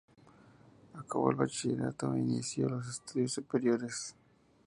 Acabó el bachillerato e inició los estudios superiores.